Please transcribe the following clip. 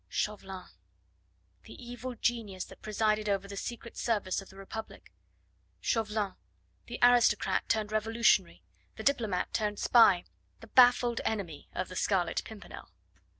Chauvelin! the evil genius that presided over the Secret Service of the Republic. Chauvelin the aristocrat turned revolutionary, the diplomat turned spy, the baffled enemy of the Scarlet Pimpernel.